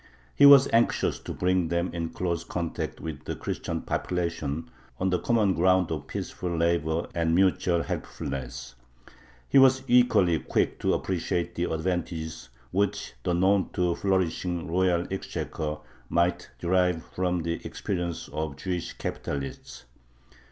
He was anxious to bring them in close contact with the Christian population on the common ground of peaceful labor and mutual helpfulness. He was equally quick to appreciate the advantages which the none too flourishing royal exchequer might derive from the experience of Jewish capitalists.